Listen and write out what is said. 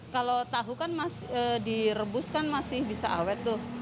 kalau tahu kan direbus kan masih bisa awet tuh